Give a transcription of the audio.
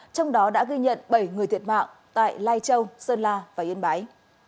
trong đó đã ghi nhận bảy người thiệt mạng tại lai châu sơn la và yên bái